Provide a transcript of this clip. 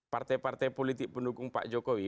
partai partai politik pendukung pak jokowi